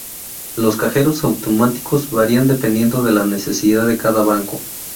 Los cajeros automáticos varían dependiendo de la necesidad de cada banco.